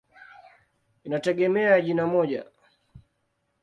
Inategemea ya jina moja.